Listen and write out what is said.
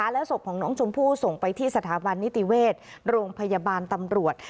แล้วศพของน้องชมพู่ส่งไปที่สถาบันนิติเวชโรงพยาบาลตำรวจ